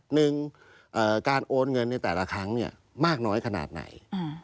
หนึ่งการโอนเงินในแต่ละครั้งมากน้อยขนาดไหน